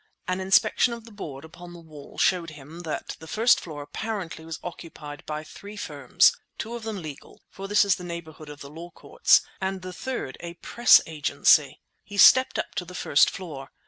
An Inspection of the board upon the wall showed him that the first floor apparently was occupied by three firms, two of them legal, for this is the neighbourhood of the law courts, and the third a press agency. He stepped up to the first floor.